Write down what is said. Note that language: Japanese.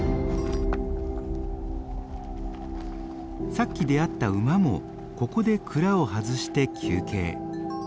さっき出会った馬もここで鞍を外して休憩。